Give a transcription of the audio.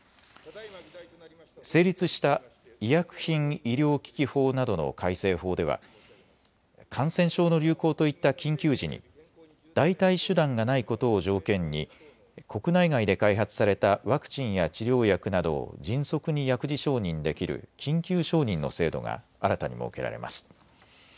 成立した医薬品医療機器法などの改正法では感染症の流行といった緊急時に代替手段がないことを条件に国内外で開発されたワクチンや治療薬などを迅速に薬事承認できる緊急承認の制度が新たに設けられます。